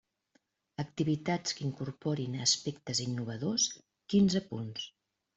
Activitats que incorporin aspectes innovadors, quinze punts.